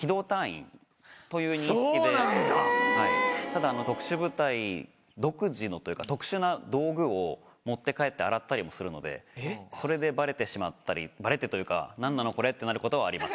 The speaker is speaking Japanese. ただ特殊部隊独自のというか特殊な道具を持って帰って洗ったりもするのでそれでバレてしまったりバレてというか「何なの？これ」ってなることはありますね。